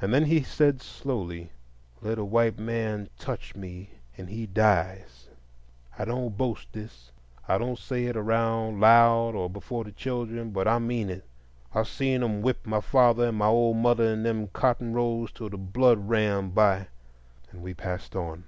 And then he said slowly: "Let a white man touch me, and he dies; I don't boast this,—I don't say it around loud, or before the children,—but I mean it. I've seen them whip my father and my old mother in them cotton rows till the blood ran; by—" and we passed on.